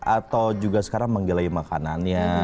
atau juga sekarang menggilai makanannya